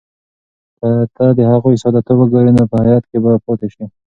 که ته د هغوی ساده توب وګورې، نو په حیرت کې به پاتې شې.